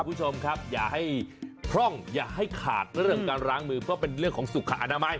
คุณผู้ชมครับอย่าให้พร่องอย่าให้ขาดเรื่องการล้างมือเพราะเป็นเรื่องของสุขอนามัย